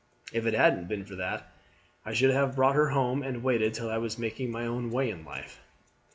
If it hadn't been for that I should have brought her home and waited till I was making my own way in life."